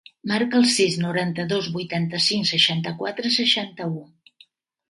Marca el sis, noranta-dos, vuitanta-cinc, seixanta-quatre, seixanta-u.